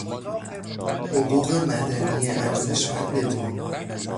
حقوق مدنی ارزشمند ما